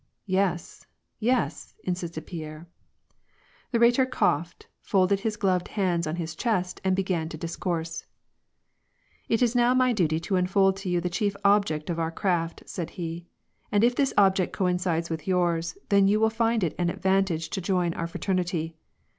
" Yes, yes," insisted Pierre. The Rhetor coughed, folded his gloved hands on his chest, and began to discourse, — "It is now my duty to unfold to you the chief object of our craft," said he. " And if this object coincides with yours, then you will find it an advantage to join our fraternity.